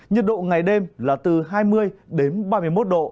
nhiệt độ ngày đêm là từ hai mươi đến ba mươi một độ